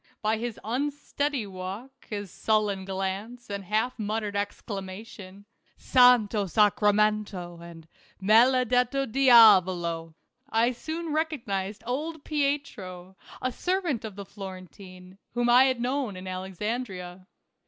By his unsteady walk, his sullen glance, and half muttered exclamation —" Santo Sacramento," and " Maledetto diavolo "— I soon recognized old Pietro, a servant of the Florentine, whom I had known in Alexandria.